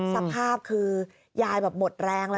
สภาพคือยายหมดแรง